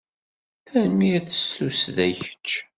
Tanemmirt s tussda i kečč.